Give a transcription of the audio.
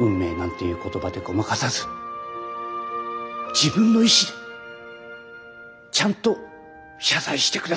運命なんていう言葉でごまかさず自分の意思でちゃんと謝罪してください。